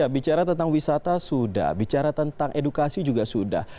bicara tentang wisata sudah bicara tentang edukasi juga sudah